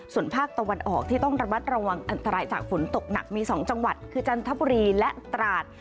ส่วนภาคตะวันออกที่ต้องระมัดระวังอันตรายจากฝนตกหนักมี๒จังหวัดคือจันทบุรีและตราด